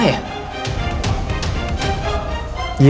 supaya riki gak curiga